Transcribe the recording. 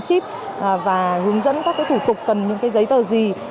chip và hướng dẫn các cái thủ tục cần những cái giấy tờ gì